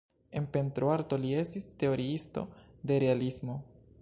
En pentroarto li estis teoriisto de realismo.